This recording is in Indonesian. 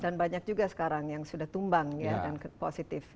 dan banyak juga sekarang yang sudah tumbang ya dan positif